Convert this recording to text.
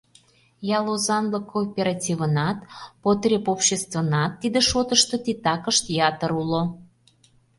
Ял озанлык кооперативынат, потребобществынат тиде шотышто титакышт ятыр уло.